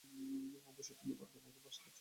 অবশ্য তিনি বরাবরই এরূপ আশা করছেন।